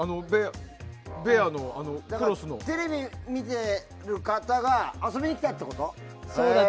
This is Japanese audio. テレビ見てる方が遊びに来たってこと？